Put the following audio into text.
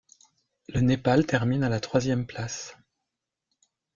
Le Népal termine à la troisième place.